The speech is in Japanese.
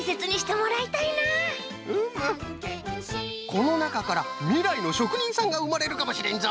このなかからみらいのしょくにんさんがうまれるかもしれんぞ！